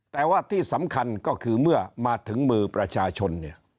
แต่ว่าที่สำคัญก็คือเมื่อมาถึงมือประชาชนเนี่ย